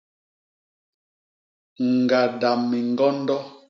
Ñgada miñgondo.